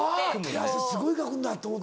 「手汗すごいかくんだ」と思って。